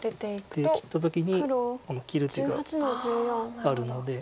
出て切った時に切る手があるので。